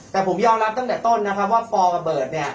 แต่ผมยอมรับตั้งแต่ต้นนะครับว่าปอลกับเบิร์ตเนี่ย